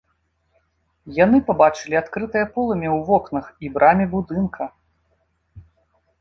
Яны пабачылі адкрытае полымя ў вокнах і браме будынка.